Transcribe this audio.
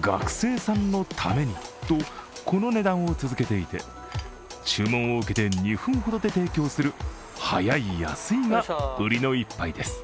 学生さんのためにと、この値段を続けていて、注文を受けて２分ほどで提供する早い、安いがウリの１杯です。